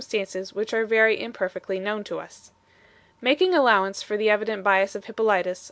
215 220. stances which are very imperfectly known to us 1 . Making allowance for the evident bias of Hippolytus.